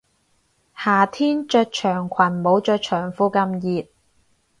夏天着長裙冇着長褲咁熱